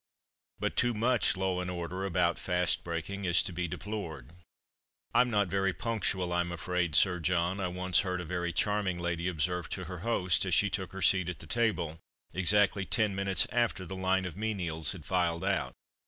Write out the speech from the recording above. But too much law and order about fast breaking is to be deplored. "I'm not very punctual, I'm afraid, Sir John," I once heard a very charming lady observe to her host, as she took her seat at the table, exactly ten minutes after the line of menials had filed out.